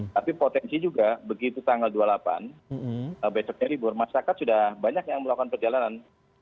tapi potensi juga begitu tanggal dua puluh delapan besoknya libur masyarakat sudah banyak yang melakukan perjalanan